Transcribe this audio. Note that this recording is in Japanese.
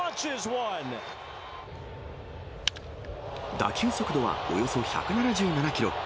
打球速度はおよそ１７７キロ。